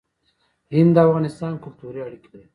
هند او افغانستان کلتوري اړیکې لري.